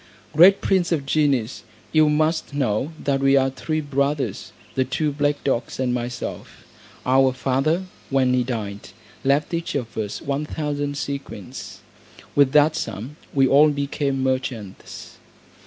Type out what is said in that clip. Great prince of genies, you must know that we are three brothers, the two black dogs and myself. Our father, when he died, left each of us one thousand sequins. With that sum, we all became merchants.